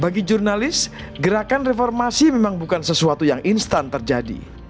bagi jurnalis gerakan reformasi memang bukan sesuatu yang instan terjadi